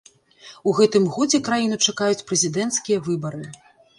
У гэтым годзе краіну чакаюць прэзідэнцкія выбары.